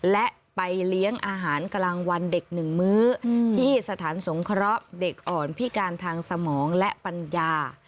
และไปเลี้ยงอาหารกลางวันเด็กหนึ่งมื้อที่สถานสงเคราะห์เด็กอ่อนพิการทางสมองและปัญญา